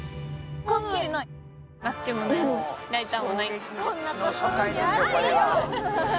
衝撃の初回ですよこれは。